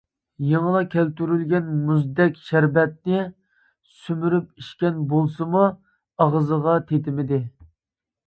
يېڭىلا كەلتۈرۈلگەن مۇزدەك شەربەتنى سۈمۈرۈپ ئىچكەن بولسىمۇ، ئاغزىغا تېتىمىدى.